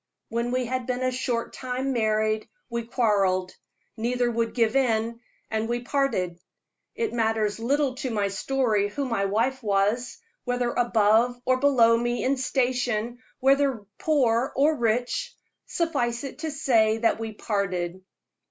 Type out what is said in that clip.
When we had been a short time married, we quarreled. Neither would give in, and we parted. It matters little to my story who my wife was, whether above or below me in station, whether poor or rich suffice it to say that we parted.